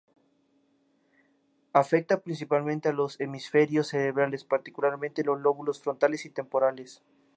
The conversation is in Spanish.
Afecta principalmente a los hemisferios cerebrales, particularmente en los lóbulos frontales y temporales.